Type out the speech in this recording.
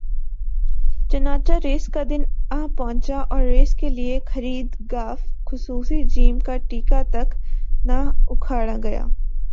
چناچہ race کا دن آپہنچا اور ریس کے لیے خرید گ خصوصی ج کا ٹیکہ تک نا اکھاڑا گیا